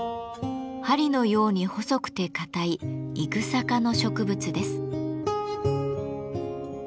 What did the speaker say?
針のように細くてかたいイグサ科の植物です。